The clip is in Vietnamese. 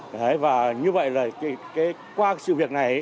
đấy và như vậy là qua sự việc này